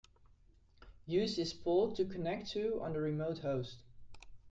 Use this port to connect to on the remote host.